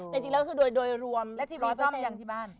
นายจริงแล้วและพี่แซ่มยังบ้าน